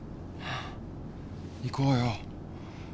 行こうよ。